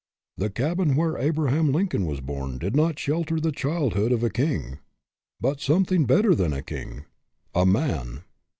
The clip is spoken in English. The cabin where Abraham Lincoln was born did not shelter the childhood of a king, but something better than a king a man."